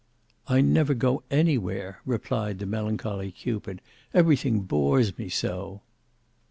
"I never go anywhere," replied the melancholy Cupid, "everything bores me so."